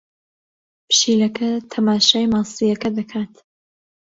پشیلەکە تەماشای ماسییەکە دەکات.